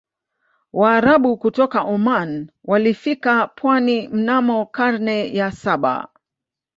waarabu kutoka oman walifika pwani mnamo karne ya saba